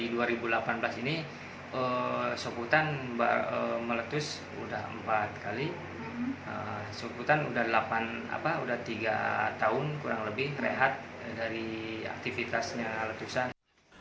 di dua ribu delapan belas ini soputan meletus sudah empat kali soputan udah tiga tahun kurang lebih rehat dari aktivitasnya letusan